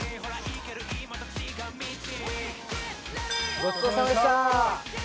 ごちそうさまでした。